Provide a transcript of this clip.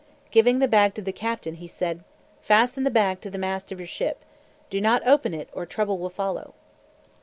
Giving the bag to the captain, he said, "Fasten the bag to the mast of your ship. Do not open it, or trouble will follow."